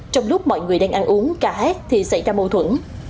trong lúc mọi người đang ăn uống cà hét thì xảy ra mâu thuẫn